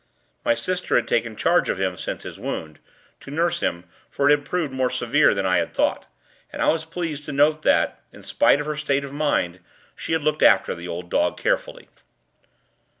My sister had taken charge of him since his wound, to nurse him, for it had proved more severe than I had thought, and I was pleased to note that, in spite of her state of mind, she had looked after the old dog, carefully.